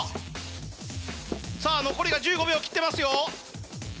さぁ残りが１５秒切ってますよ。